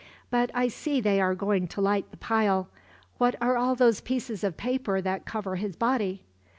"But I see they are going to light the pile. What are all those pieces of paper that cover his body?"